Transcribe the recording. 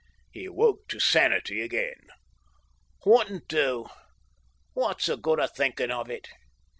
He awoke to sanity again. "Wouldn't do. What's the good of thinking of it?"